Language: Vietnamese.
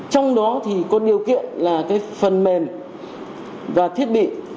trong đó thì có điều kiện là cái phần mềm và thiết bị